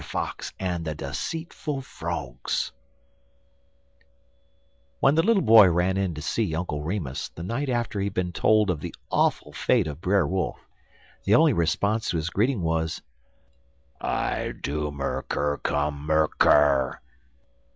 FOX AND THE DECEITFUL FROGS WHEN the little boy ran in to see Uncle Remus the night after he had told him of the awful fate of Brer Wolf, the only response to his greeting was: "I doom er ker kum mer ker!"